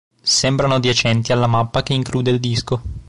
Sembrano adiacenti alla mappa che include il disco.